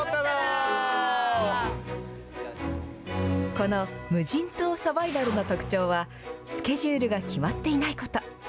この無人島サバイバルの特徴はスケジュールが決まっていないこと。